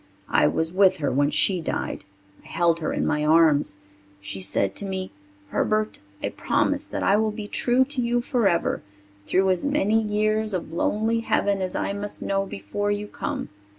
"I was with her when she died. I held her in my arms. She said to me, 'Herbert, I promise that I will be true to you forever, through as many years of lonely heaven as I must know before you come.